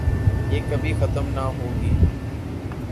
یہ کبھی ختم نہ ہوگی ۔